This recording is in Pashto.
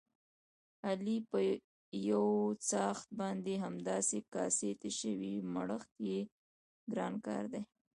علي په یوڅآښت باندې همداسې کاسې تشوي، مړښت یې ګران کار دی.